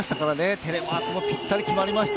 テレマークもぴったり決まりました。